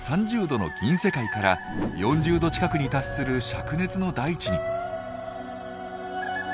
℃の銀世界から４０℃近くに達する灼熱の大地に。